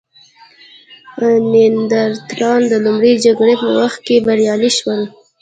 نیاندرتالان د لومړۍ جګړې په وخت کې بریالي شول.